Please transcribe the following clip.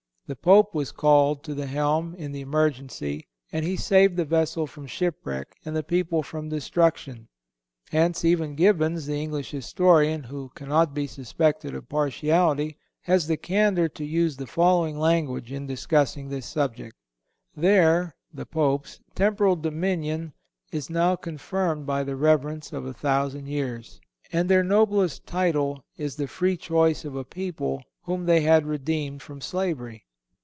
The Pope was called to the helm in the emergency, and he saved the vessel from shipwreck and the people from destruction. Hence, even Gibbon, the English historian, who cannot be suspected of partiality, has the candor to use the following language in discussing this subject: "Their (the Pope's) temporal dominion is now confirmed by the reverence of a thousand years, and their noblest title is the free choice of a people whom they had redeemed from slavery."